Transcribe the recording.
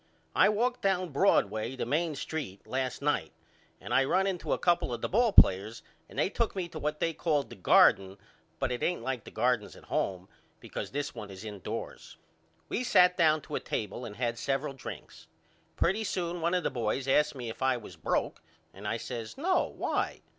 I walked down Broadway the Main Street last night and I run into a couple of the ball players and they took me to what they call the Garden but it ain't like the gardens at home because this one is indoors. We sat down to a table and had several drinks. Pretty soon one of the boys asked me if I was broke and I says No, why?